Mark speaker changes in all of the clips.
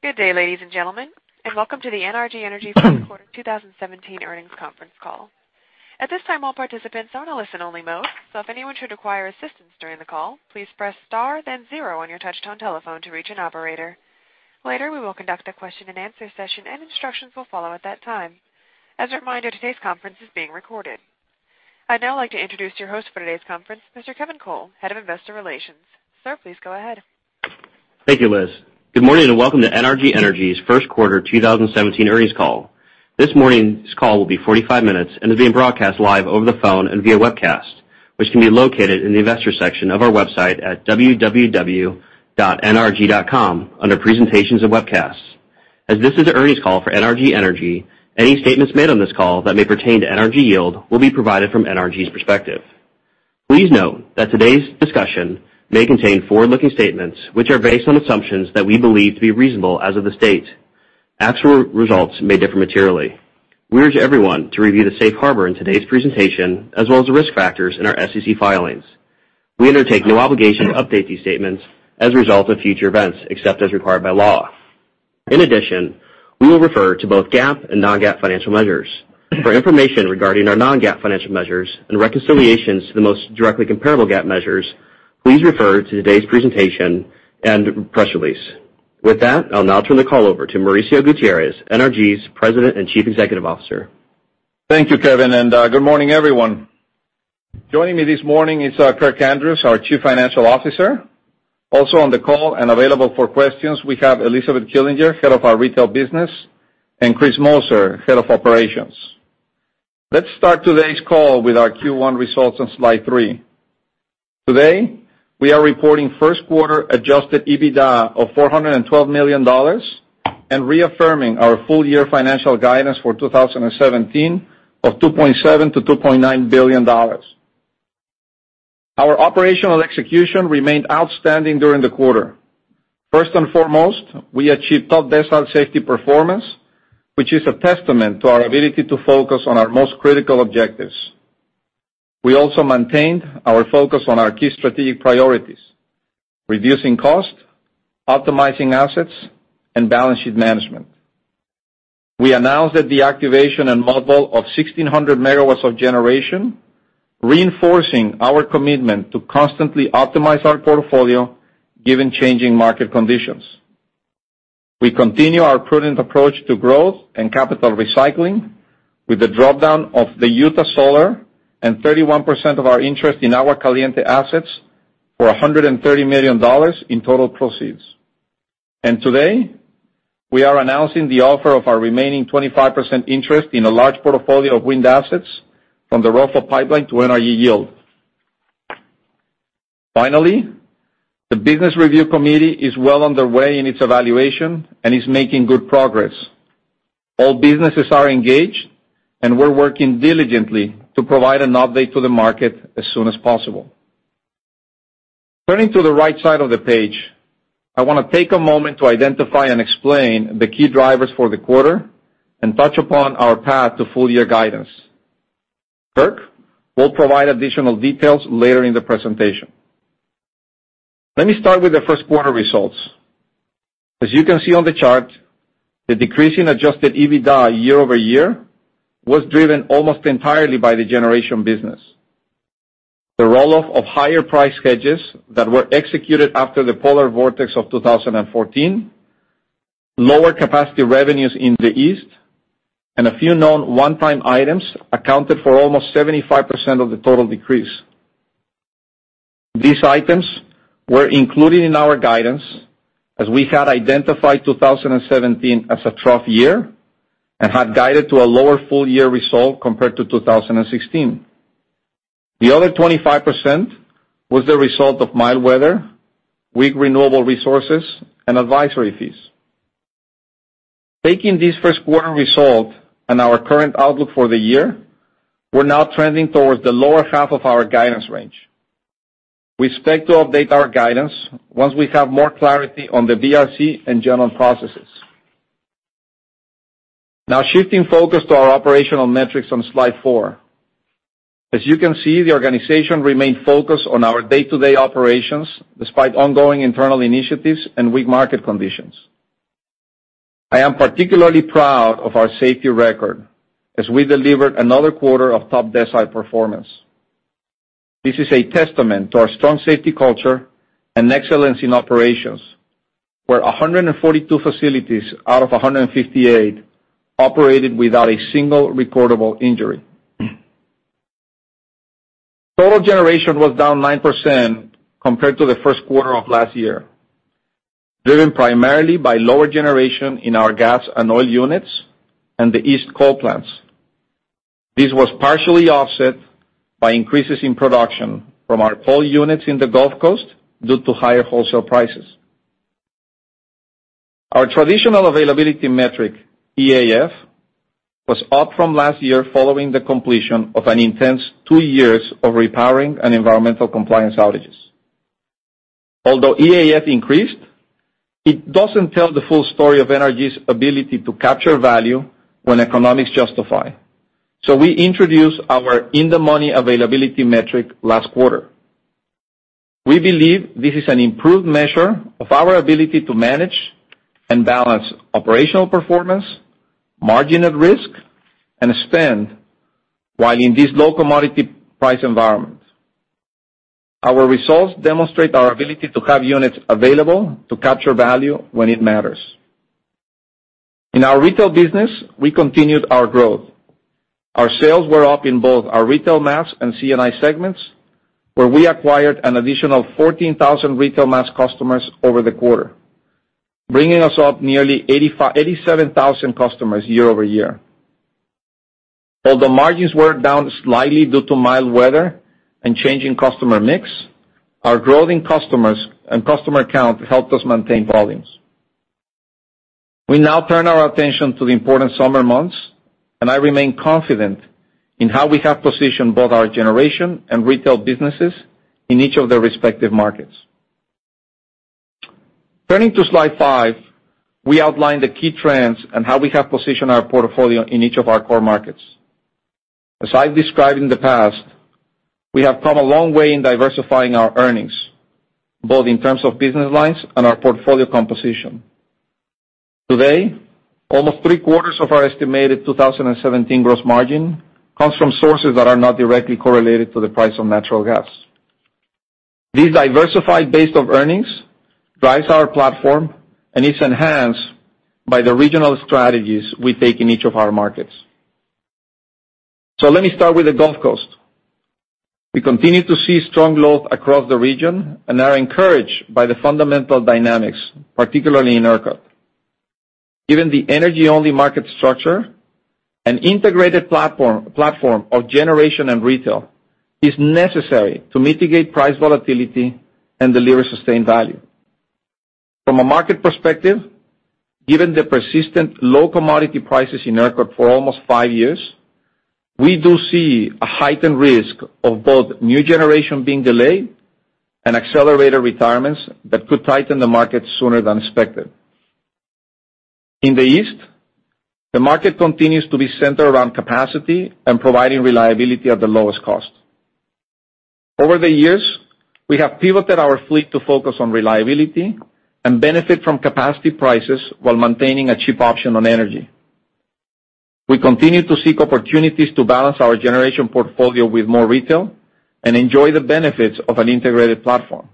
Speaker 1: Good day, ladies and gentlemen, and welcome to the NRG Energy first quarter 2017 earnings conference call. At this time, all participants are in a listen-only mode, so if anyone should require assistance during the call, please press star then 0 on your touch-tone telephone to reach an operator. Later, we will conduct a question and answer session, and instructions will follow at that time. As a reminder, today's conference is being recorded. I'd now like to introduce your host for today's conference, Mr. Kevin Cole, Head of Investor Relations. Sir, please go ahead.
Speaker 2: Thank you, Liz. Good morning, and welcome to NRG Energy's first quarter 2017 earnings call. This morning's call will be 45 minutes and is being broadcast live over the phone and via webcast, which can be located in the Investors section of our website at www.nrg.com under Presentations and Webcasts. As this is the earnings call for NRG Energy, any statements made on this call that may pertain to NRG Yield will be provided from NRG's perspective. Please note that today's discussion may contain forward-looking statements which are based on assumptions that we believe to be reasonable as of this date. Actual results may differ materially. We urge everyone to review the safe harbor in today's presentation as well as the risk factors in our SEC filings. We undertake no obligation to update these statements as a result of future events, except as required by law. In addition, we will refer to both GAAP and non-GAAP financial measures. For information regarding our non-GAAP financial measures and reconciliations to the most directly comparable GAAP measures, please refer to today's presentation and press release. With that, I'll now turn the call over to Mauricio Gutierrez, NRG's President and Chief Executive Officer.
Speaker 3: Thank you, Kevin, and good morning, everyone. Joining me this morning is Kirk Andrews, our Chief Financial Officer. Also on the call and available for questions, we have Elizabeth Killinger, Head of our Retail Business, and Chris Moser, Head of Operations. Let's start today's call with our Q1 results on slide three. Today, we are reporting first quarter adjusted EBITDA of $412 million and reaffirming our full-year financial guidance for 2017 of $2.7 billion-$2.9 billion. Our operational execution remained outstanding during the quarter. First and foremost, we achieved top decile safety performance, which is a testament to our ability to focus on our most critical objectives. We also maintained our focus on our key strategic priorities: reducing cost, optimizing assets, and balance sheet management. We announced the deactivation and module of 1,600 megawatts of generation, reinforcing our commitment to constantly optimize our portfolio given changing market conditions. We continue our prudent approach to growth and capital recycling with the drop-down of the Utah Solar and 31% of our interest in our Caliente assets for $130 million in total proceeds. Today, we are announcing the offer of our remaining 25% interest in a large portfolio of wind assets from the ROFO pipeline to NRG Yield. Finally, the Business Review Committee is well underway in its evaluation and is making good progress. All businesses are engaged, and we're working diligently to provide an update to the market as soon as possible. Turning to the right side of the page, I want to take a moment to identify and explain the key drivers for the quarter and touch upon our path to full-year guidance. Kirk will provide additional details later in the presentation. Let me start with the first quarter results. As you can see on the chart, the decrease in adjusted EBITDA year-over-year was driven almost entirely by the generation business. The roll-off of higher-priced hedges that were executed after the polar vortex of 2014, lower capacity revenues in the East, and a few known one-time items accounted for almost 75% of the total decrease. These items were included in our guidance as we had identified 2017 as a trough year and had guided to a lower full-year result compared to 2016. The other 25% was the result of mild weather, weak renewable resources, and advisory fees. Taking this first quarter result and our current outlook for the year, we're now trending towards the lower half of our guidance range. We expect to update our guidance once we have more clarity on the BRC and general processes. Shifting focus to our operational metrics on slide four. As you can see, the organization remained focused on our day-to-day operations despite ongoing internal initiatives and weak market conditions. I am particularly proud of our safety record as we delivered another quarter of top decile performance. This is a testament to our strong safety culture and excellence in operations, where 142 facilities out of 158 operated without a single reportable injury. Total generation was down 9% compared to the first quarter of last year, driven primarily by lower generation in our gas and oil units and the East coal plants. This was partially offset by increases in production from our coal units in the Gulf Coast due to higher wholesale prices. Our traditional availability metric, EAF, was up from last year following the completion of an intense two years of repowering and environmental compliance outages. Although EAF increased, it doesn't tell the full story of NRG's ability to capture value when economics justify. We introduced our In-the-Money Availability metric last quarter. We believe this is an improved measure of our ability to manage and balance operational performance, margin at risk, and spend while in this low commodity price environment. Our results demonstrate our ability to have units available to capture value when it matters. In our retail business, we continued our growth. Our sales were up in both our retail mass and C&I segments, where we acquired an additional 14,000 retail mass customers over the quarter, bringing us up nearly 87,000 customers year-over-year. Although margins were down slightly due to mild weather and changing customer mix, our growing customers and customer count helped us maintain volumes. We now turn our attention to the important summer months. I remain confident in how we have positioned both our generation and retail businesses in each of their respective markets. Turning to slide five, we outline the key trends and how we have positioned our portfolio in each of our core markets. As I've described in the past, we have come a long way in diversifying our earnings, both in terms of business lines and our portfolio composition. Today, almost three-quarters of our estimated 2017 gross margin comes from sources that are not directly correlated to the price of natural gas. This diversified base of earnings drives our platform and is enhanced by the regional strategies we take in each of our markets. Let me start with the Gulf Coast. We continue to see strong growth across the region. We are encouraged by the fundamental dynamics, particularly in ERCOT. Given the energy-only market structure, an integrated platform of generation and retail is necessary to mitigate price volatility and deliver sustained value. From a market perspective, given the persistent low commodity prices in ERCOT for almost five years, we do see a heightened risk of both new generation being delayed and accelerated retirements that could tighten the market sooner than expected. In the East, the market continues to be centered around capacity and providing reliability at the lowest cost. Over the years, we have pivoted our fleet to focus on reliability and benefit from capacity prices while maintaining a cheap option on energy. We continue to seek opportunities to balance our generation portfolio with more retail and enjoy the benefits of an integrated platform.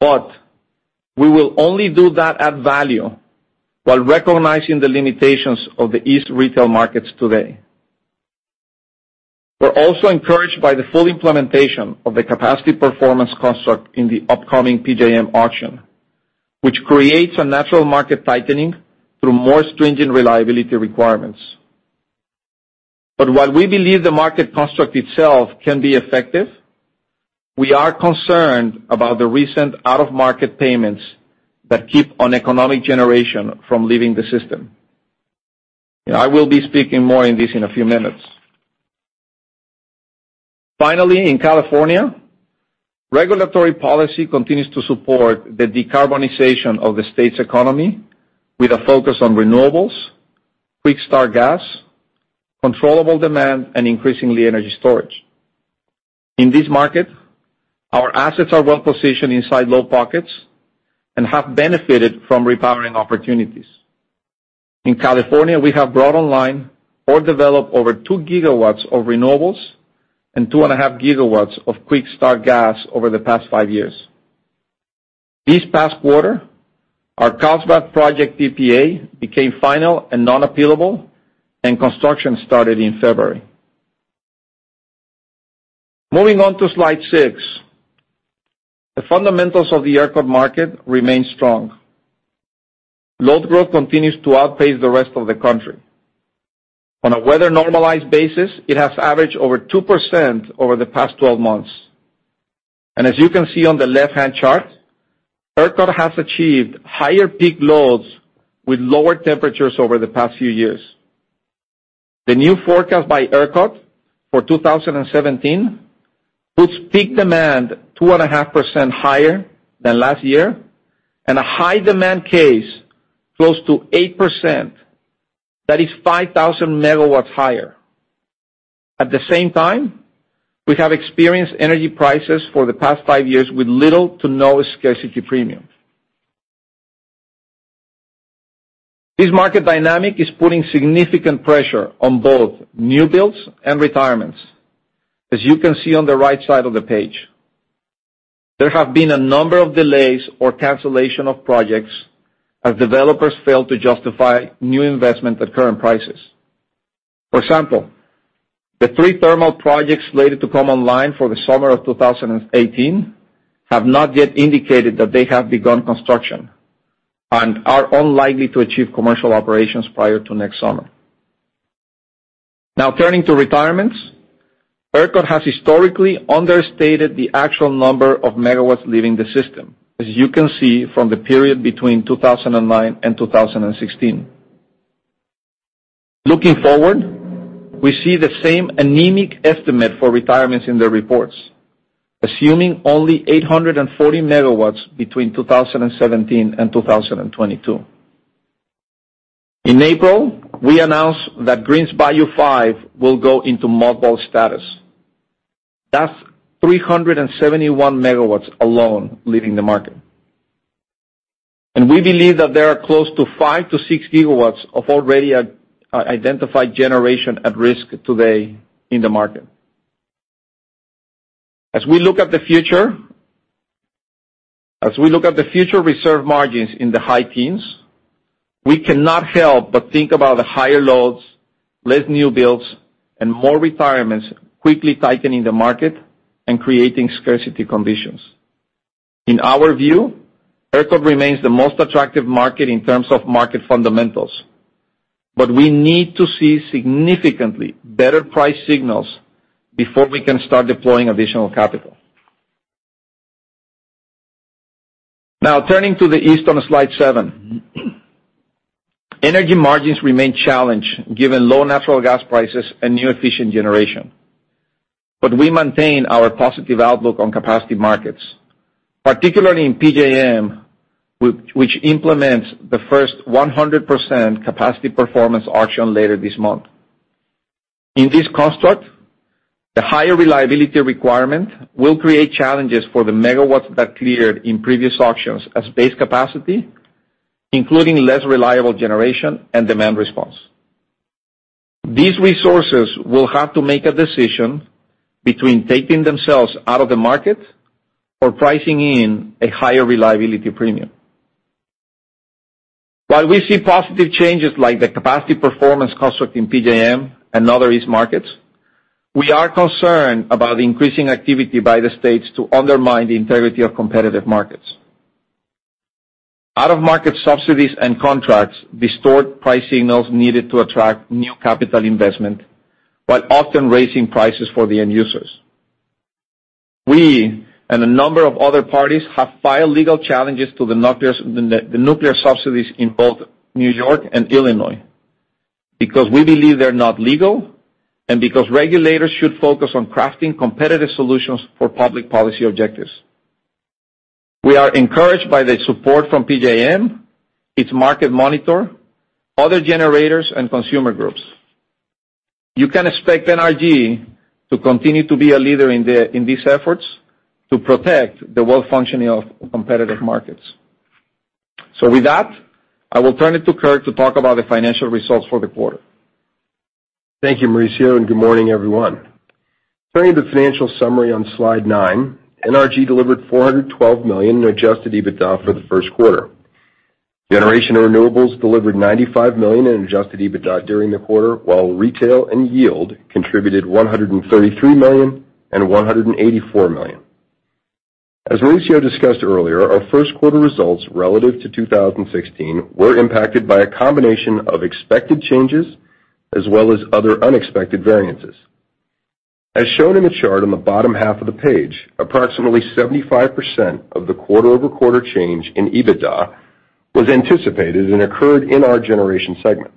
Speaker 3: We will only do that at value while recognizing the limitations of the East retail markets today. We're also encouraged by the full implementation of the Capacity Performance construct in the upcoming PJM auction, which creates a natural market tightening through more stringent reliability requirements. While we believe the market construct itself can be effective, we are concerned about the recent out-of-market payments that keep uneconomic generation from leaving the system. I will be speaking more on this in a few minutes. Finally, in California, regulatory policy continues to support the decarbonization of the state's economy with a focus on renewables, quick-start gas, controllable demand, and increasingly, energy storage. In this market, our assets are well positioned inside load pockets and have benefited from repowering opportunities. In California, we have brought online or developed over 2 gigawatts of renewables and 2.5 gigawatts of quick-start gas over the past five years. This past quarter, our Carlsbad project PPA became final and non-appealable, and construction started in February. Moving on to slide six. The fundamentals of the ERCOT market remain strong. Load growth continues to outpace the rest of the country. On a weather-normalized basis, it has averaged over 2% over the past 12 months. As you can see on the left-hand chart, ERCOT has achieved higher peak loads with lower temperatures over the past few years. The new forecast by ERCOT for 2017 puts peak demand 2.5% higher than last year, and a high-demand case close to 8%. That is 5,000 megawatts higher. At the same time, we have experienced energy prices for the past five years with little to no scarcity premium. This market dynamic is putting significant pressure on both new builds and retirements, as you can see on the right side of the page. There have been a number of delays or cancellation of projects as developers fail to justify new investment at current prices. For example, the three thermal projects slated to come online for the summer of 2018 have not yet indicated that they have begun construction and are unlikely to achieve commercial operations prior to next summer. Now turning to retirements. ERCOT has historically understated the actual number of megawatts leaving the system, as you can see from the period between 2009 and 2016. Looking forward, we see the same anemic estimate for retirements in their reports, assuming only 840 megawatts between 2017 and 2022. In April, we announced that Greens Bayou 5 will go into mothball status. That's 371 megawatts alone leaving the market. We believe that there are close to five to six gigawatts of already identified generation at risk today in the market. As we look at the future reserve margins in the high teens, we cannot help but think about the higher loads, less new builds, and more retirements quickly tightening the market and creating scarcity conditions. In our view, ERCOT remains the most attractive market in terms of market fundamentals. We need to see significantly better price signals before we can start deploying additional capital. Now, turning to the East on slide seven. Energy margins remain challenged given low natural gas prices and new efficient generation. We maintain our positive outlook on capacity markets, particularly in PJM, which implements the first 100% Capacity Performance auction later this month. In this construct, the higher reliability requirement will create challenges for the megawatts that cleared in previous auctions as base capacity, including less reliable generation and demand response. These resources will have to make a decision between taking themselves out of the market or pricing in a higher reliability premium. While we see positive changes like the Capacity Performance construct in PJM and other east markets, we are concerned about increasing activity by the states to undermine the integrity of competitive markets. Out-of-market subsidies and contracts distort price signals needed to attract new capital investment, while often raising prices for the end users. We, and a number of other parties, have filed legal challenges to the nuclear subsidies in both New York and Illinois because we believe they're not legal, and because regulators should focus on crafting competitive solutions for public policy objectives. With that, I will turn it to Kirk to talk about the financial results for the quarter.
Speaker 4: Thank you, Mauricio, and good morning, everyone. Turning to the financial summary on slide nine, NRG delivered $412 million in adjusted EBITDA for the first quarter. Generation and renewables delivered $95 million in adjusted EBITDA during the quarter, while retail and yield contributed $133 million and $184 million. As Mauricio discussed earlier, our first quarter results relative to 2016 were impacted by a combination of expected changes as well as other unexpected variances. As shown in the chart on the bottom half of the page, approximately 75% of the quarter-over-quarter change in EBITDA was anticipated and occurred in our generation segment.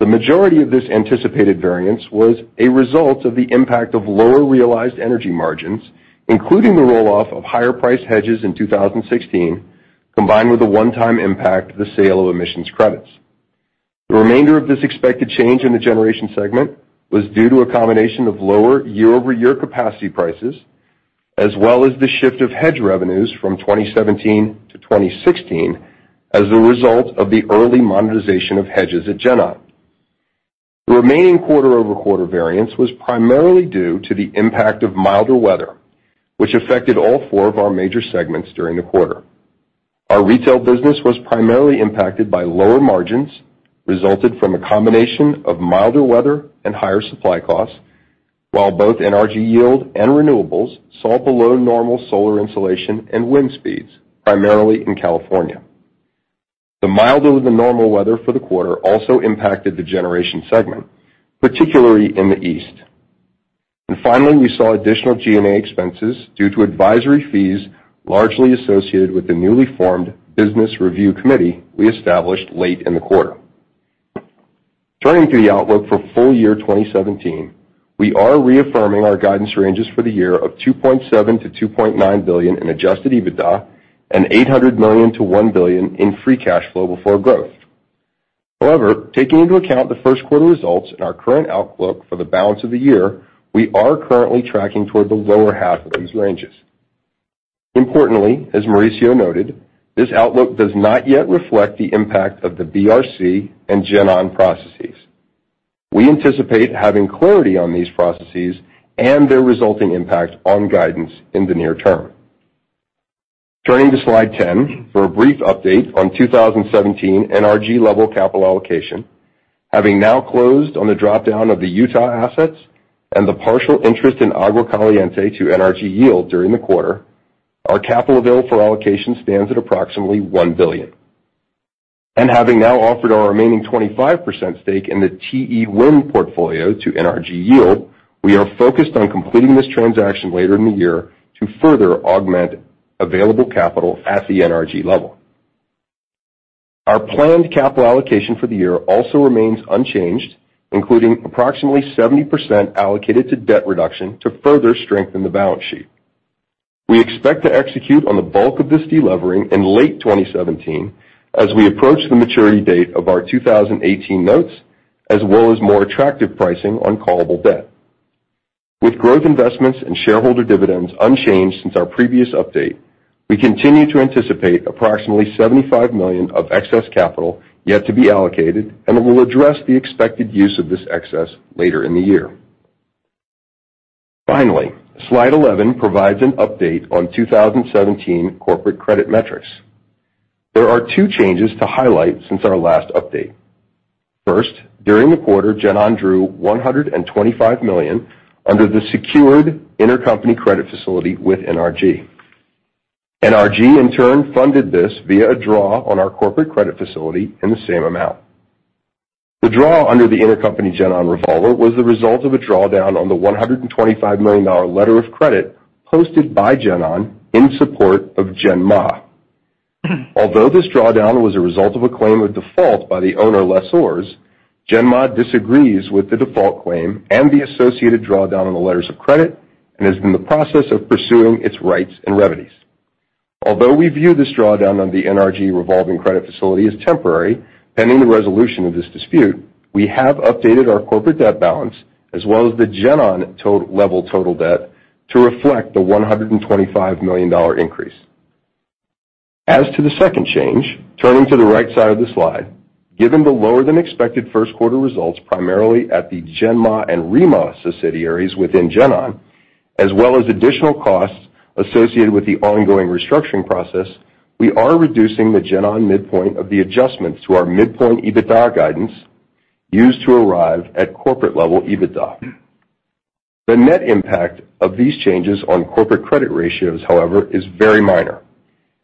Speaker 4: The majority of this anticipated variance was a result of the impact of lower realized energy margins, including the roll-off of higher price hedges in 2016, combined with a one-time impact of the sale of emissions credits. The remainder of this expected change in the generation segment was due to a combination of lower year-over-year capacity prices, as well as the shift of hedge revenues from 2017 to 2016 as a result of the early monetization of hedges at GenOn. The remaining quarter-over-quarter variance was primarily due to the impact of milder weather, which affected all four of our major segments during the quarter. Our retail business was primarily impacted by lower margins resulted from a combination of milder weather and higher supply costs, while both NRG Yield and renewables saw below normal solar insolation and wind speeds, primarily in California. The milder-than-normal weather for the quarter also impacted the generation segment, particularly in the East. Finally, we saw additional G&A expenses due to advisory fees largely associated with the newly formed Business Review Committee we established late in the quarter. Turning to the outlook for full year 2017, we are reaffirming our guidance ranges for the year of $2.7 billion-$2.9 billion in adjusted EBITDA and $800 million-$1 billion in free cash flow before growth. However, taking into account the first quarter results and our current outlook for the balance of the year, we are currently tracking toward the lower half of these ranges. Importantly, as Mauricio noted, this outlook does not yet reflect the impact of the BRC and GenOn processes. We anticipate having clarity on these processes and their resulting impact on guidance in the near term. Turning to slide 10 for a brief update on 2017 NRG level capital allocation. Having now closed on the drop-down of the Utah assets and the partial interest in Agua Caliente to NRG Yield during the quarter, our capital available for allocation stands at approximately $1 billion. Having now offered our remaining 25% stake in the TE wind portfolio to NRG Yield, we are focused on completing this transaction later in the year to further augment available capital at the NRG level. Our planned capital allocation for the year also remains unchanged, including approximately 70% allocated to debt reduction to further strengthen the balance sheet. We expect to execute on the bulk of this de-levering in late 2017 as we approach the maturity date of our 2018 notes, as well as more attractive pricing on callable debt. With growth investments and shareholder dividends unchanged since our previous update, we continue to anticipate approximately $75 million of excess capital yet to be allocated. We will address the expected use of this excess later in the year. Finally, slide 11 provides an update on 2017 corporate credit metrics. There are two changes to highlight since our last update. First, during the quarter, GenOn drew $125 million under the secured intercompany credit facility with NRG. NRG, in turn, funded this via a draw on our corporate credit facility in the same amount. The draw under the intercompany GenOn revolver was the result of a drawdown on the $125 million letter of credit posted by GenOn in support of GenMa. Although this drawdown was a result of a claim of default by the owner lessors, GenMa disagrees with the default claim and the associated drawdown on the letters of credit and is in the process of pursuing its rights and remedies. Although we view this drawdown on the NRG revolving credit facility as temporary, pending the resolution of this dispute, we have updated our corporate debt balance as well as the GenOn level total debt to reflect the $125 million increase. As to the second change, turning to the right side of the slide, given the lower-than-expected first quarter results, primarily at the GenMa and ReMa subsidiaries within GenOn, as well as additional costs associated with the ongoing restructuring process, we are reducing the GenOn midpoint of the adjustments to our midpoint EBITDA guidance used to arrive at corporate level EBITDA. The net impact of these changes on corporate credit ratios, however, is very minor,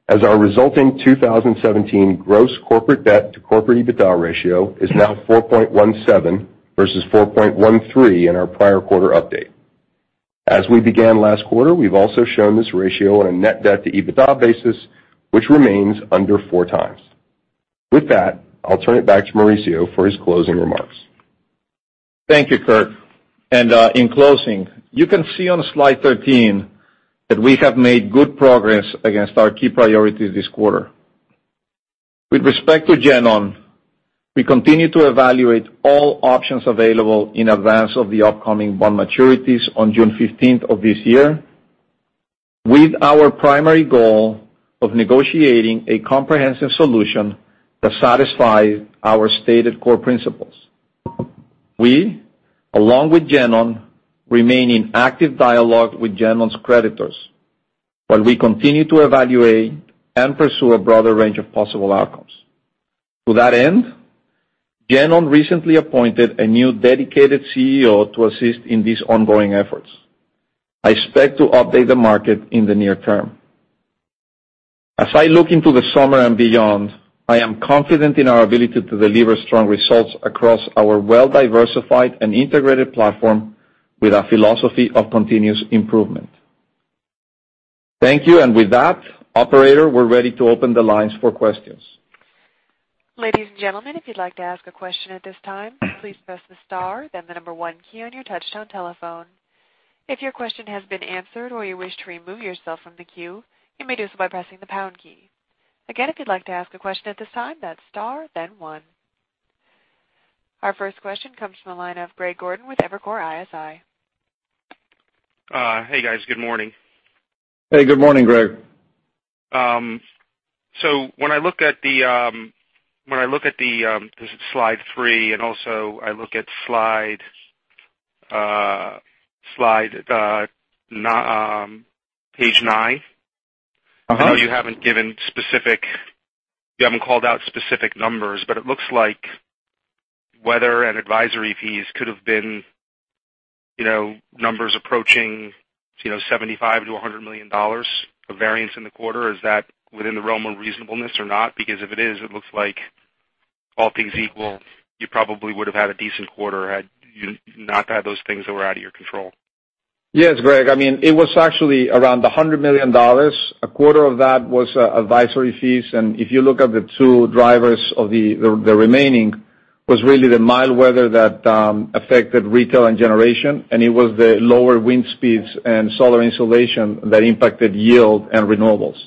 Speaker 4: as our resulting 2017 gross corporate debt to corporate EBITDA ratio is now 4.17 versus 4.13 in our prior quarter update. As we began last quarter, we've also shown this ratio on a net debt to EBITDA basis, which remains under four times. With that, I'll turn it back to Mauricio for his closing remarks.
Speaker 3: Thank you, Kirk. In closing, you can see on slide 13 that we have made good progress against our key priorities this quarter. With respect to GenOn, we continue to evaluate all options available in advance of the upcoming bond maturities on June 15th of this year, with our primary goal of negotiating a comprehensive solution that satisfies our stated core principles. We, along with GenOn, remain in active dialogue with GenOn's creditors while we continue to evaluate and pursue a broader range of possible outcomes. To that end, GenOn recently appointed a new dedicated CEO to assist in these ongoing efforts. I expect to update the market in the near term. As I look into the summer and beyond, I am confident in our ability to deliver strong results across our well-diversified and integrated platform with a philosophy of continuous improvement. Thank you. With that, operator, we're ready to open the lines for questions.
Speaker 1: Ladies and gentlemen, if you'd like to ask a question at this time, please press the star then the number one key on your touch-tone telephone. If your question has been answered or you wish to remove yourself from the queue, you may do so by pressing the pound key. Again, if you'd like to ask a question at this time, that's star then one. Our first question comes from the line of Greg Gordon with Evercore ISI.
Speaker 5: Hey, guys. Good morning.
Speaker 4: Hey, good morning, Greg.
Speaker 5: When I look at slide three, and also I look at page nine. I know you haven't called out specific numbers, it looks like weather and advisory fees could have been numbers approaching $75 million-$100 million of variance in the quarter. Is that within the realm of reasonableness or not? Because if it is, it looks like all things equal, you probably would have had a decent quarter had you not had those things that were out of your control.
Speaker 3: Yes, Greg. It was actually around $100 million. A quarter of that was advisory fees, and if you look at the two drivers of the remaining, was really the mild weather that affected retail and generation, and it was the lower wind speeds and solar insolation that impacted yield and renewables.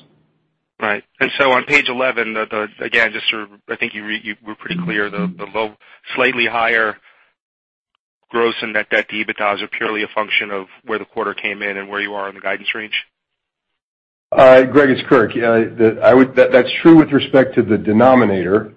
Speaker 5: Right. On page 11, again, I think you were pretty clear, the slightly higher gross and net debt to EBITDAs are purely a function of where the quarter came in and where you are on the guidance range?
Speaker 4: Greg, it's Kirk. That's true with respect to the denominator,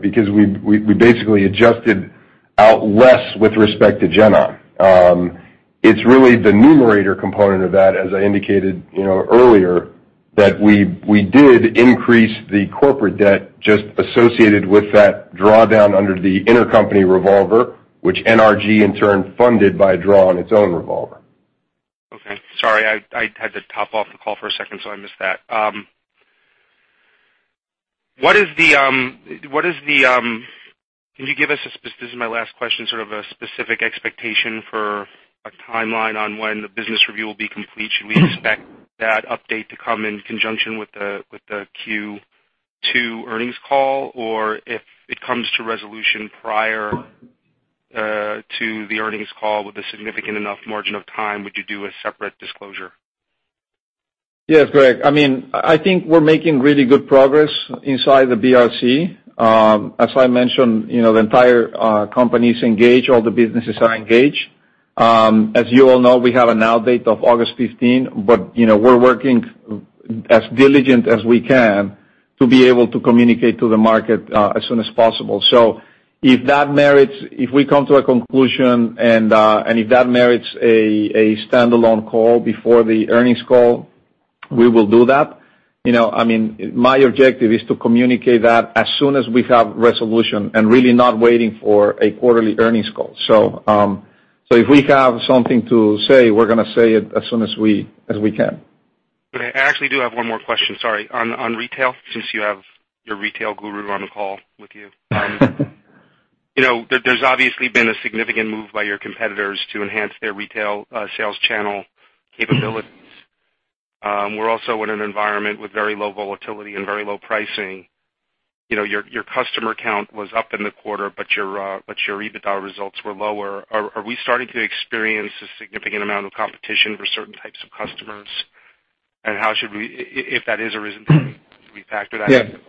Speaker 4: because we basically adjusted out less with respect to GenOn. It's really the numerator component of that, as I indicated earlier, that we did increase the corporate debt just associated with that drawdown under the intercompany revolver, which NRG in turn funded by a draw on its own revolver.
Speaker 5: Okay. Sorry, I had to top off the call for a second. I missed that. This is my last question, sort of a specific expectation for a timeline on when the business review will be complete. Should we expect that update to come in conjunction with the Q2 earnings call, or if it comes to resolution prior to the earnings call with a significant enough margin of time, would you do a separate disclosure?
Speaker 3: Yes, Greg. I think we're making really good progress inside the BRC. As I mentioned, the entire company's engaged. All the businesses are engaged. As you all know, we have a now date of August 15. We're working as diligent as we can to be able to communicate to the market as soon as possible. If we come to a conclusion and if that merits a standalone call before the earnings call, we will do that. My objective is to communicate that as soon as we have resolution and really not waiting for a quarterly earnings call. If we have something to say, we're going to say it as soon as we can.
Speaker 5: I actually do have one more question, sorry. On retail, since you have your retail guru on the call with you. There's obviously been a significant move by your competitors to enhance their retail sales channel capabilities. We're also in an environment with very low volatility and very low pricing. Your customer count was up in the quarter. Your EBITDA results were lower. Are we starting to experience a significant amount of competition for certain types of customers? How should we, if that is or isn't a thing, should we factor that in?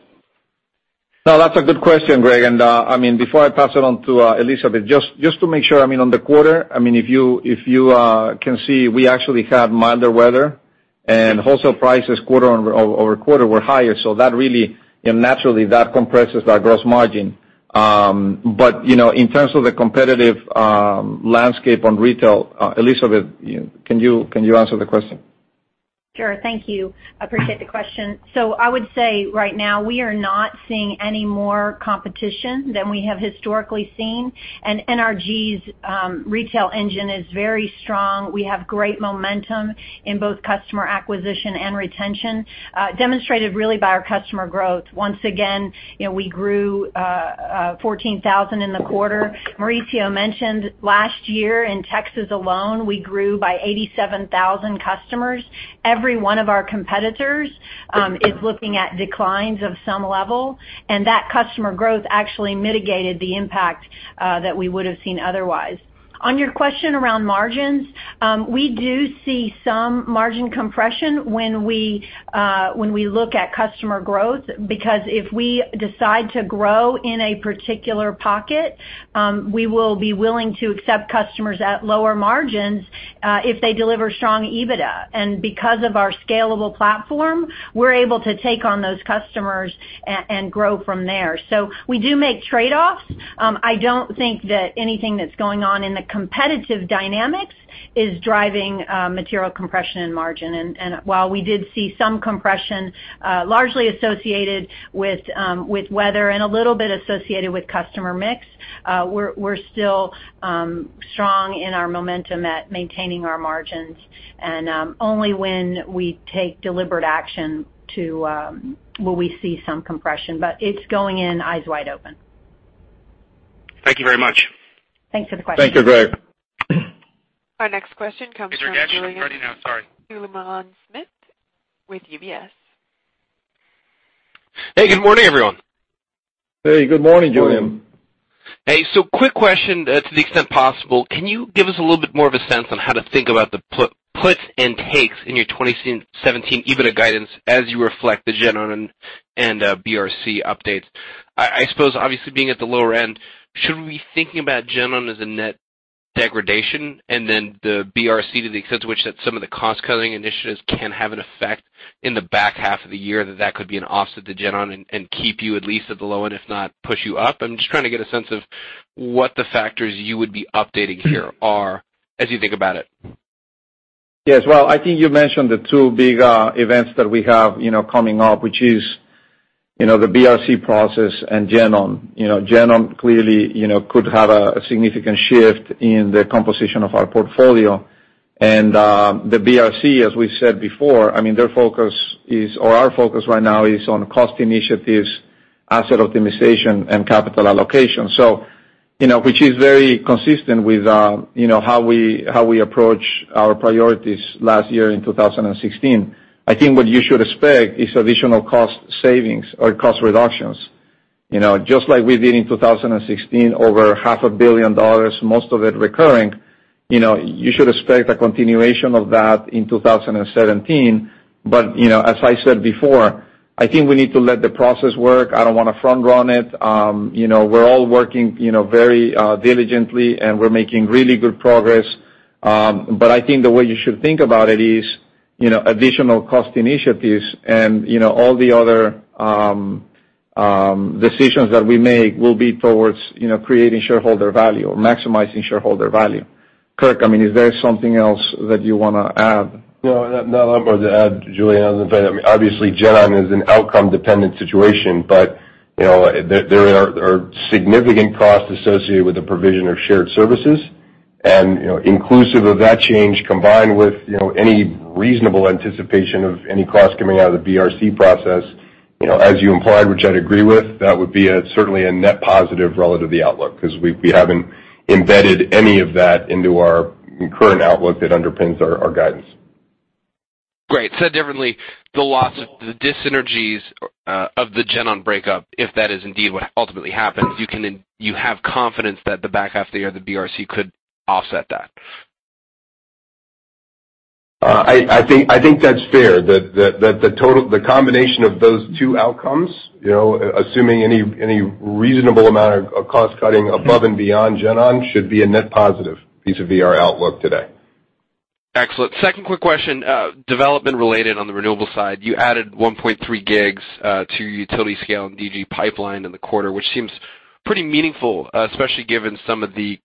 Speaker 3: Yeah. No, that's a good question, Greg. Before I pass it on to Elizabeth, just to make sure on the quarter, if you can see, we actually had milder weather and wholesale prices quarter-over-quarter were higher. That really, naturally, that compresses our gross margin. In terms of the competitive landscape on retail, Elizabeth, can you answer the question?
Speaker 6: Sure. Thank you. Appreciate the question. I would say right now we are not seeing any more competition than we have historically seen, and NRG's retail engine is very strong. We have great momentum in both customer acquisition and retention, demonstrated really by our customer growth. Once again, we grew 14,000 in the quarter. Mauricio mentioned last year in Texas alone, we grew by 87,000 customers. Every one of our competitors is looking at declines of some level, and that customer growth actually mitigated the impact that we would've seen otherwise. On your question around margins, we do see some margin compression when we look at customer growth, because if we decide to grow in a particular pocket, we will be willing to accept customers at lower margins, if they deliver strong EBITDA. Because of our scalable platform, we're able to take on those customers and grow from there. We do make trade-offs. I don't think that anything that's going on in the competitive dynamics is driving material compression and margin. While we did see some compression, largely associated with weather and a little bit associated with customer mix, we're still strong in our momentum at maintaining our margins. Only when we take deliberate action will we see some compression. It's going in eyes wide open.
Speaker 5: Thank you very much.
Speaker 6: Thanks for the question.
Speaker 3: Thank you, Greg.
Speaker 1: Our next question comes from.
Speaker 5: Is there Ready now, sorry.
Speaker 1: Julien Dumoulin-Smith with UBS.
Speaker 7: Hey, good morning, everyone.
Speaker 3: Hey, good morning, Julien.
Speaker 7: Hey. Quick question to the extent possible, can you give us a little bit more of a sense on how to think about the puts and takes in your 2017 EBITDA guidance as you reflect the GenOn and BRC updates? I suppose obviously being at the lower end, should we be thinking about GenOn as a net degradation? And then the BRC to the extent to which that some of the cost-cutting initiatives can have an effect in the back half of the year, that that could be an offset to GenOn and keep you at least at the low end, if not push you up? I'm just trying to get a sense of what the factors you would be updating here are as you think about it.
Speaker 3: Yes. Well, I think you mentioned the two big events that we have coming up, which is the BRC process and GenOn. GenOn clearly could have a significant shift in the composition of our portfolio. The BRC, as we said before, our focus right now is on cost initiatives, asset optimization, and capital allocation. Which is very consistent with how we approach our priorities last year in 2016. I think what you should expect is additional cost savings or cost reductions. Just like we did in 2016, over half a billion dollars, most of it recurring, you should expect a continuation of that in 2017. As I said before, I think we need to let the process work. I don't want to front run it. We're all working very diligently, and we're making really good progress. I think the way you should think about it is, additional cost initiatives and all the other decisions that we make will be towards creating shareholder value or maximizing shareholder value. Kirk, is there something else that you want to add?
Speaker 4: No, not a lot more to add, Julien, other than obviously GenOn is an outcome-dependent situation, but there are significant costs associated with the provision of shared services. Inclusive of that change combined with any reasonable anticipation of any cost coming out of the BRC process, as you implied, which I'd agree with, that would be certainly a net positive relative to the outlook because we haven't embedded any of that into our current outlook that underpins our guidance.
Speaker 7: Great. Said differently, the loss of the dis-synergies of the GenOn breakup, if that is indeed what ultimately happens, you have confidence that the back half of the year, the BRC could offset that?
Speaker 4: I think that's fair, that the combination of those two outcomes, assuming any reasonable amount of cost-cutting above and beyond GenOn, should be a net positive vis-a-vis our outlook today.
Speaker 7: Excellent. Second quick question. Development related on the renewable side. You added 1.3 gigs to utility scale and DG pipeline in the quarter, which seems pretty meaningful, especially given some of the,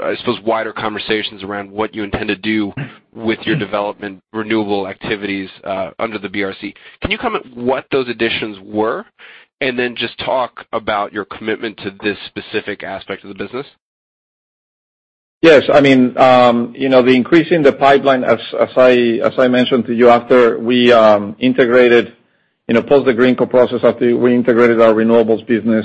Speaker 7: I suppose, wider conversations around what you intend to do with your development renewable activities, under the BRC. Can you comment what those additions were? Just talk about your commitment to this specific aspect of the business.
Speaker 3: Yes. The increase in the pipeline, as I mentioned to you, post the GreenCo process after we integrated our renewables business,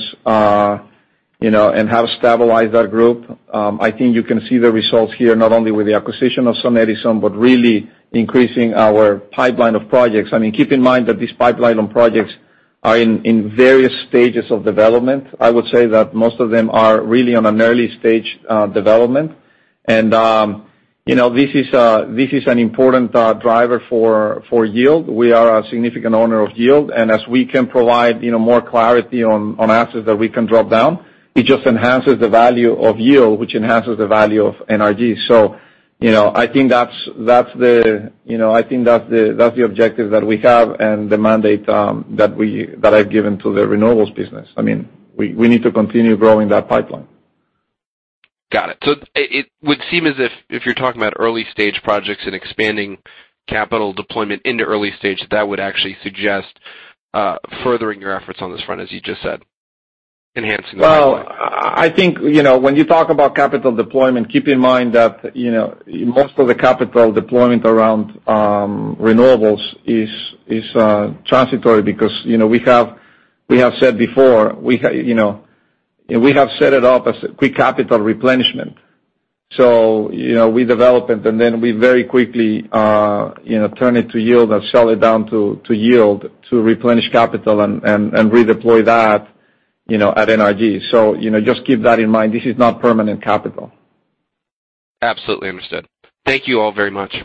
Speaker 3: and have stabilized that group, I think you can see the results here, not only with the acquisition of SunEdison, but really increasing our pipeline of projects. Keep in mind that this pipeline of projects are in various stages of development. I would say that most of them are really on an early-stage development. This is an important driver for NRG Yield. We are a significant owner of NRG Yield, and as we can provide more clarity on assets that we can drop down, it just enhances the value of NRG Yield, which enhances the value of NRG. I think that's the objective that we have and the mandate that I've given to the renewables business. We need to continue growing that pipeline.
Speaker 7: Got it. It would seem as if you're talking about early-stage projects and expanding capital deployment into early stage, that would actually suggest furthering your efforts on this front, as you just said, enhancing the pipeline.
Speaker 3: Well, I think, when you talk about capital deployment, keep in mind that most of the capital deployment around renewables is transitory because we have said before, we have set it up as quick capital replenishment. We develop it, and then we very quickly turn it to yield and sell it down to yield to replenish capital and redeploy that at NRG. Just keep that in mind. This is not permanent capital.
Speaker 7: Absolutely understood. Thank you all very much.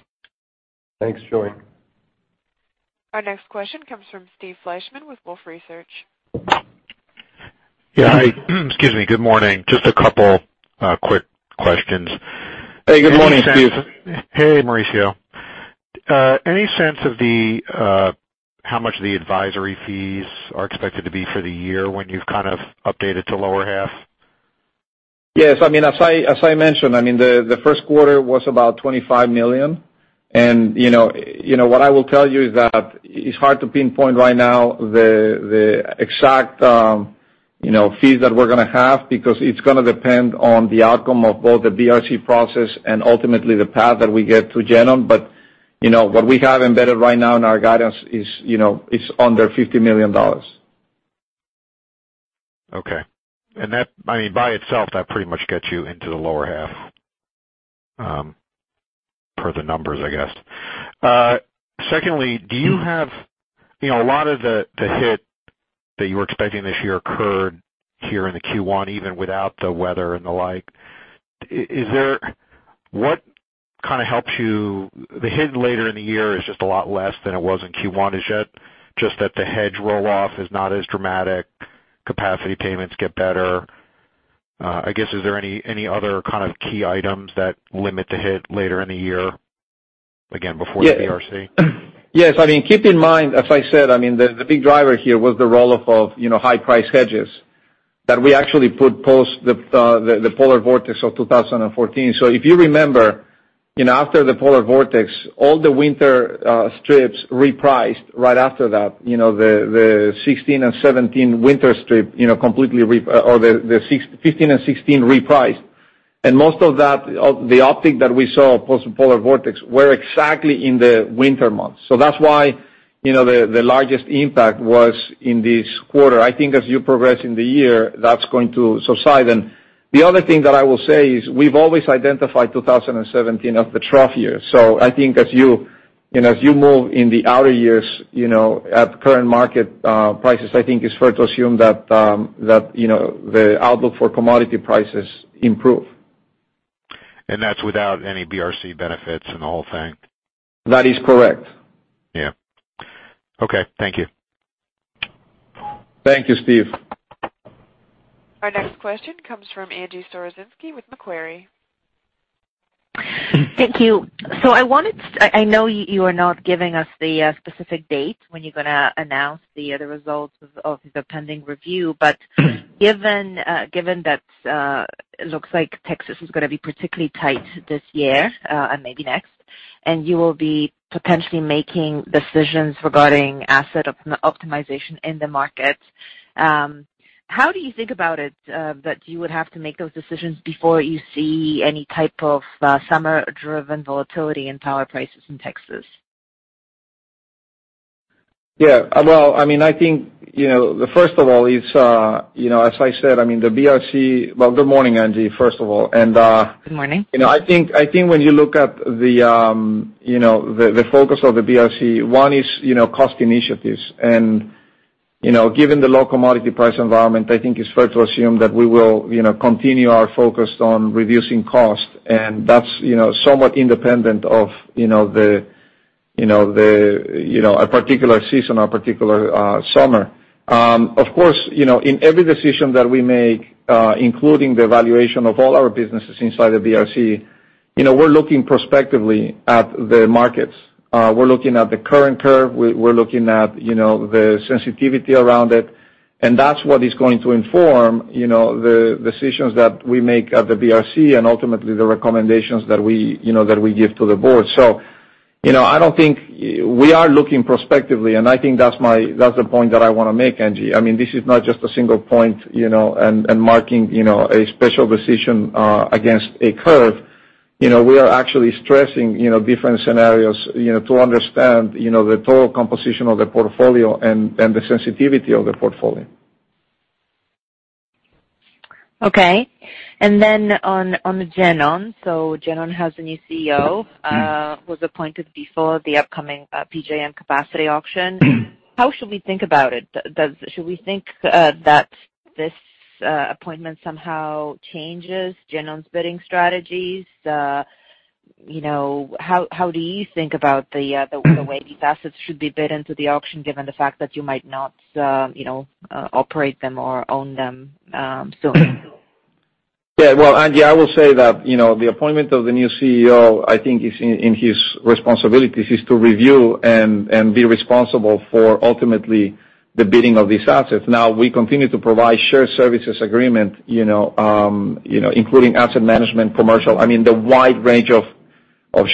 Speaker 3: Thanks, Julien.
Speaker 1: Our next question comes from Steve Fleishman with Wolfe Research.
Speaker 8: Yeah. Excuse me. Good morning. Just a couple quick questions.
Speaker 3: Hey, good morning, Steve.
Speaker 8: Hey, Mauricio. Any sense of how much the advisory fees are expected to be for the year when you've kind of updated to lower half?
Speaker 3: Yes. As I mentioned, the first quarter was about $25 million. What I will tell you is that it's hard to pinpoint right now the exact fees that we're going to have, because it's going to depend on the outcome of both the BRC process and ultimately the path that we get through GenOn. What we have embedded right now in our guidance is under $50 million.
Speaker 8: Okay. By itself, that pretty much gets you into the lower half per the numbers, I guess. Secondly, a lot of the hit that you were expecting this year occurred here in the Q1, even without the weather and the like. The hit later in the year is just a lot less than it was in Q1. Is it just that the hedge roll-off is not as dramatic, capacity payments get better? I guess, is there any other kind of key items that limit the hit later in the year, again, before the BRC?
Speaker 3: Yes. Keep in mind, as I said, the big driver here was the roll-off of high-priced hedges that we actually put post the polar vortex of 2014. If you remember, after the polar vortex, all the winter strips repriced right after that. The 2015 and 2016 repriced. Most of the uptick that we saw post polar vortex were exactly in the winter months. That's why the largest impact was in this quarter. I think as you progress in the year, that's going to subside. The other thing that I will say is, we've always identified 2017 as the trough year. I think as you move in the outer years at the current market prices, I think it's fair to assume that the outlook for commodity prices improve.
Speaker 8: That's without any BRC benefits in the whole thing.
Speaker 3: That is correct.
Speaker 8: Yeah. Okay. Thank you.
Speaker 3: Thank you, Steve.
Speaker 1: Our next question comes from Angie Storozynski with Macquarie.
Speaker 9: Thank you. I know you are not giving us the specific date when you're going to announce the other results of the pending review. Given that it looks like Texas is going to be particularly tight this year, and maybe next, and you will be potentially making decisions regarding asset optimization in the market, how do you think about it that you would have to make those decisions before you see any type of summer-driven volatility in power prices in Texas?
Speaker 3: Yeah. Well, first of all, as I said, the BRC. Well, good morning, Angie, first of all.
Speaker 9: Good morning.
Speaker 3: I think when you look at the focus of the BRC, one is cost initiatives. Given the low commodity price environment, I think it's fair to assume that we will continue our focus on reducing cost. That's somewhat independent of a particular season or particular summer. Of course, in every decision that we make, including the evaluation of all our businesses inside the BRC, we're looking prospectively at the markets. We're looking at the current curve. We're looking at the sensitivity around it. That's what is going to inform the decisions that we make at the BRC and ultimately the recommendations that we give to the board. We are looking prospectively, and I think that's the point that I want to make, Angie. This is not just a single point and marking a special decision against a curve. We are actually stressing different scenarios to understand the total composition of the portfolio and the sensitivity of the portfolio.
Speaker 9: On GenOn. GenOn has a new CEO, who was appointed before the upcoming PJM capacity auction. How should we think about it? Should we think that this appointment somehow changes GenOn's bidding strategies? How do you think about the way these assets should be bid into the auction, given the fact that you might not operate them or own them soon?
Speaker 3: Well, Angie, I will say that the appointment of the new CEO, I think in his responsibilities is to review and be responsible for ultimately the bidding of these assets. We continue to provide shared services agreement including asset management, commercial, the wide range of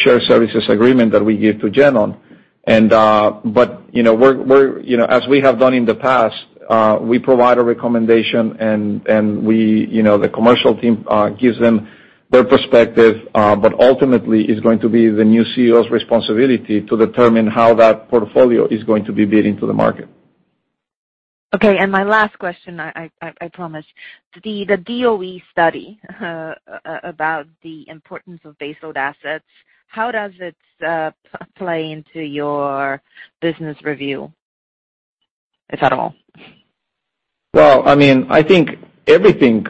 Speaker 3: shared services agreement that we give to GenOn. As we have done in the past, we provide a recommendation and the commercial team gives them their perspective, but ultimately it's going to be the new CEO's responsibility to determine how that portfolio is going to be bidding to the market.
Speaker 9: My last question, I promise. The DOE study about the importance of baseload assets, how does it play into your Business Review, if at all?
Speaker 3: I think everything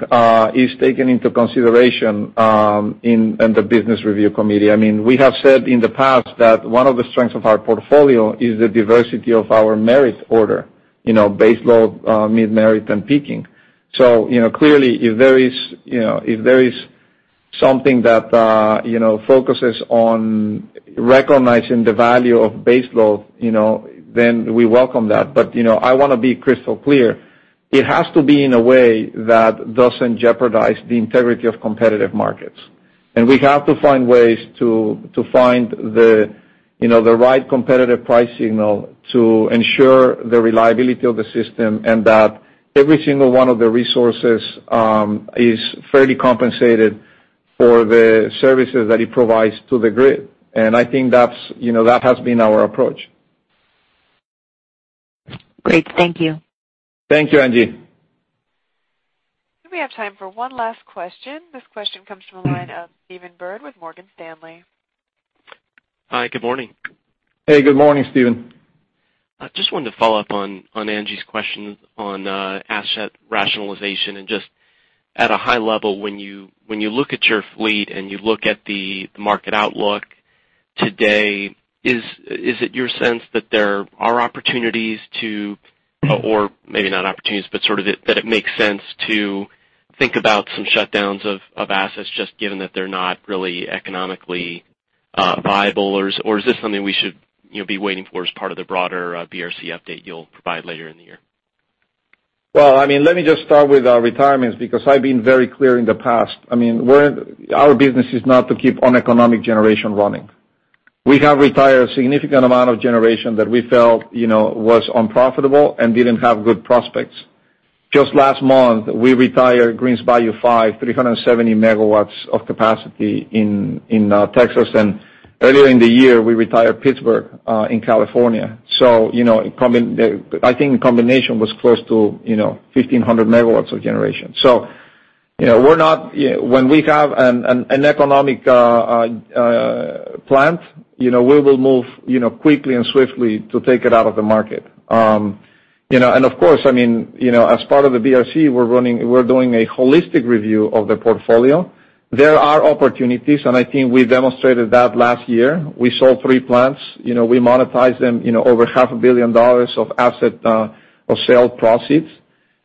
Speaker 3: is taken into consideration in the Business Review Committee. We have said in the past that one of the strengths of our portfolio is the diversity of our merit order, baseload, mid-merit, and peaking. Clearly, if there is something that focuses on recognizing the value of baseload, then we welcome that. I want to be crystal clear. It has to be in a way that doesn't jeopardize the integrity of competitive markets. We have to find ways to find the right competitive price signal to ensure the reliability of the system, and that every single one of the resources is fairly compensated for the services that it provides to the grid. I think that has been our approach.
Speaker 9: Great. Thank you.
Speaker 3: Thank you, Angie.
Speaker 1: We have time for one last question. This question comes from the line of Stephen Byrd with Morgan Stanley.
Speaker 10: Hi, good morning.
Speaker 3: Hey, good morning, Stephen.
Speaker 10: I just wanted to follow up on Angie's question on asset rationalization. Just at a high level, when you look at your fleet and you look at the market outlook today, is it your sense that there are opportunities to, or maybe not opportunities, but that it makes sense to think about some shutdowns of assets just given that they're not really economically viable? Or is this something we should be waiting for as part of the broader BRC update you'll provide later in the year?
Speaker 3: Well, let me just start with our retirements, because I've been very clear in the past. Our business is not to keep uneconomic generation running. We have retired a significant amount of generation that we felt was unprofitable and didn't have good prospects. Just last month, we retired Greens Bayou 5, 370 megawatts of capacity in Texas, and earlier in the year, we retired Pittsburg in California. I think in combination, it was close to 1,500 megawatts of generation. When we have an economic plant, we will move quickly and swiftly to take it out of the market. Of course, as part of the BRC, we're doing a holistic review of the portfolio. There are opportunities, and I think we demonstrated that last year. We sold three plants. We monetized them over half a billion dollars of asset of sale proceeds.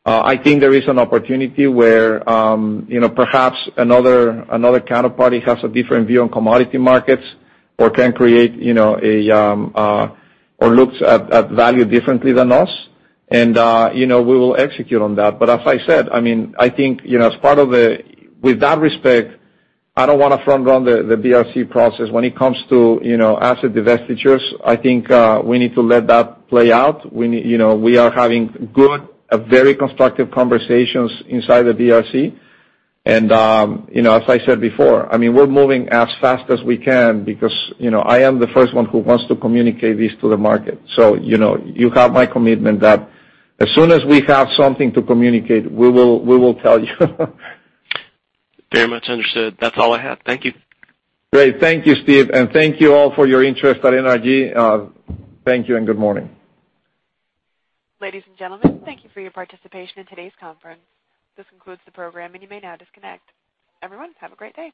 Speaker 3: I think there is an opportunity where perhaps another counterparty has a different view on commodity markets or looks at value differently than us, we will execute on that. As I said, with that respect, I don't want to front-run the BRC process. When it comes to asset divestitures, I think we need to let that play out. We are having good and very constructive conversations inside the BRC. As I said before, we're moving as fast as we can because I am the first one who wants to communicate this to the market. You have my commitment that as soon as we have something to communicate, we will tell you.
Speaker 10: Very much understood. That's all I had. Thank you.
Speaker 3: Great. Thank you, Steve. Thank you all for your interest at NRG. Thank you and good morning.
Speaker 1: Ladies and gentlemen, thank you for your participation in today's conference. This concludes the program, and you may now disconnect. Everyone, have a great day.